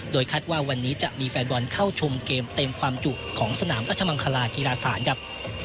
คาดว่าวันนี้จะมีแฟนบอลเข้าชมเกมเต็มความจุของสนามรัชมังคลากีฬาสถานครับ